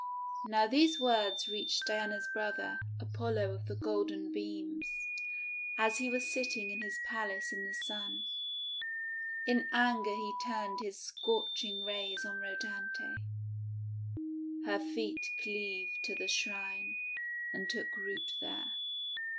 Now these words reached Diana's brother, Apollo of the Golden Beams, as he was sitting in his Palace in the Sun. In anger he turned his scorching rays on Rhodanthe. THE ROSE TREE QUEEN 69 Her feet cleaved to the shrine, and took root there.